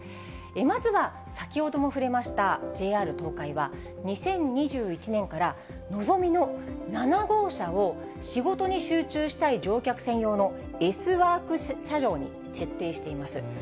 まずは先ほども触れましたＪＲ東海は、２０２１年からのぞみの７号車を仕事に集中したい乗客専用のＳＷｏｒｋ車両に設定しています。